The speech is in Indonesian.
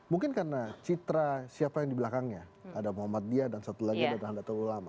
mungkin karena citra siapa yang di belakangnya ada muhammad diyah dan satu lagi ada dhan dato ulama